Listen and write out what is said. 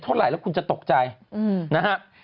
เท่าไหร่แล้วคุณจะตกใจนะฮะ